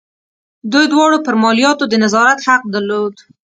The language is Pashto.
دوی دواړو پر مالیاتو د نظارت حق درلود.